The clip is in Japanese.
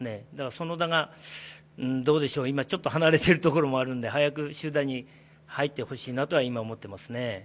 其田が、今ちょっと離れてるところもあるので、早く集団に入ってほしいなとは今、思っていますね。